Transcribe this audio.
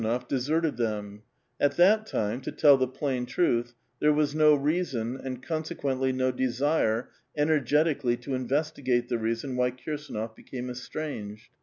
245 sduof deserted them ; at that time, to tell the plain truth, "tihere was no reason and consequently* no desire energetically 'to invesligate the reason why Kirsduoi* became estranged.